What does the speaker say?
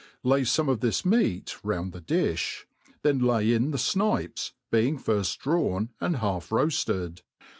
lay fome of this meat round the dKJj, (hen lay in the ifnipes, being firft drawn and half roaded.